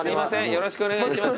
よろしくお願いします